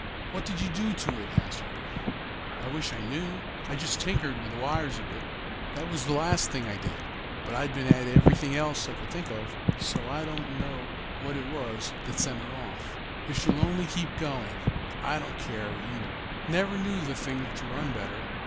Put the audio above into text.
"What did you do to it?" asked Herbert. "I wish I knew. I just tinkered with the wires a bit. That was the last thing I did, but I'd been at everything else I could think of, so I don't know what it was that sent her off. If she'll only keep going, I don't care, either. Never knew the thing to run better.